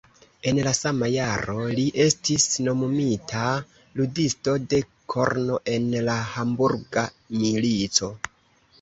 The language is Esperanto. En la sama jaro li estis nomumita ludisto de korno en la Hamburga milico.